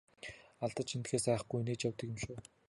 Алдаж эндэхээс айхгүй инээж явдаг юм шүү!